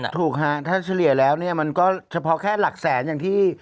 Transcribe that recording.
ถูกฮะถ้าเฉลี่ยแล้วเนี่ยมันก็เฉพาะแค่หลักแสนอย่างที่